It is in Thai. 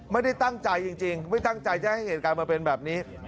ไม่ได้ตั้งใจจริงไม่ตั้งใจจะให้เหตุการณ์มันเป็นแบบนี้